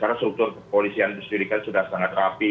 karena struktur kepolisian dan peristirikatan sudah sangat rapi